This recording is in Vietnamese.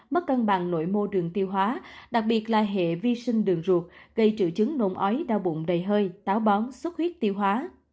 mất cân bằng nội mô đường tiêu hóa đặc biệt là hệ vi sinh đường ruột gây triệu chứng nôn ói đau bụng đầy hơi táo bón xuất huyết tiêu hóa